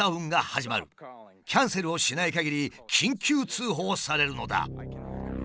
キャンセルをしないかぎり緊急通報されるのだ。